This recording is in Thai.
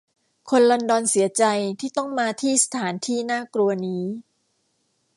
คนลอนดอนเสียใจที่ต้องมาที่สถานที่น่ากลัวนี้